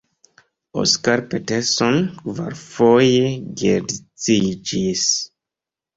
Oscar Peterson kvarfoje geedziĝis.